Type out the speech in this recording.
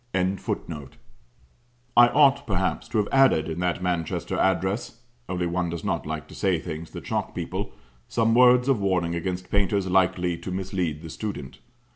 ] never. I ought, perhaps, to have added in that Manchester address (only one does not like to say things that shock people) some words of warning against painters likely to mislead the student.